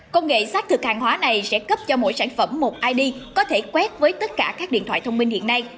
công nghệ xác thực hàng hóa này sẽ cấp cho mỗi sản phẩm một id có thể quét với tất cả các điện thoại thông minh hiện nay